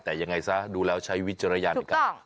แต่ยังไงซะดูแล้วใช้วิจารณญาณในการ